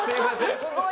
すごい。